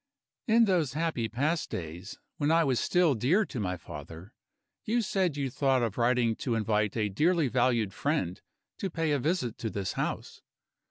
"In those happy past days, when I was still dear to my father, you said you thought of writing to invite a dearly valued friend to pay a visit to this house.